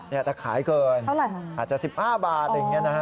แต่ขายเกิน๑๕บาท